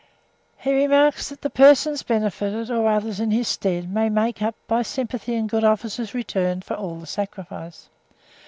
He remarks that "the person benefited, or others in his stead, may make up, by sympathy and good offices returned, for all the sacrifice."